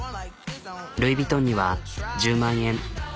ルイ・ヴィトンには１０万円。